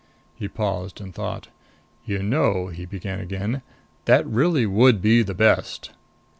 He paused and thought. "You know," he began again, "that really would be the best."